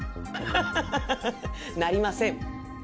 ハハハハハハなりません。